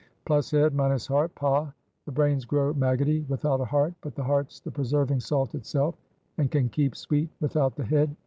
Plus head, minus heart Pah! the brains grow maggoty without a heart; but the heart's the preserving salt itself, and can keep sweet without the head.